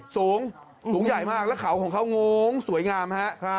สูงสูงใหญ่มากแล้วเขาของเขาโง้งสวยงามฮะ